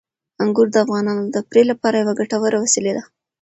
انګور د افغانانو د تفریح لپاره یوه ګټوره وسیله ده.